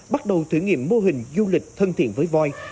bắt đầu thử nghiệm mô hình du lịch thân thiện với voi